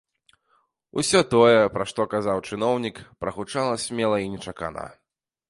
Усё тое, пра што казаў чыноўнік, прагучала смела і нечакана.